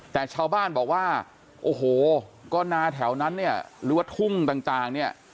แต่ชาวบ้านบอกว่าโอ้โหก็นาแถวนั้นเนี่ยหรือว่าทุ่งต่างเนี่ย